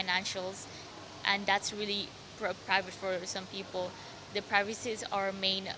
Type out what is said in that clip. dan itu sangat privat bagi beberapa orang